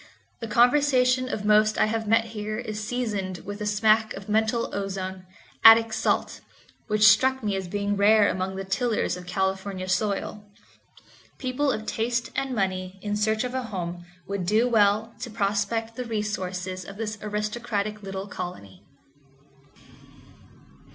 The conversation of most I have met here is seasoned with a smack of mental ozone, Attic salt, which struck me as being rare among the tillers of California soil. People of taste and money in search of a home would do well to prospect the resources of this aristocratic little colony.